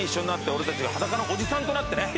俺たちが「裸のおじさん」となってね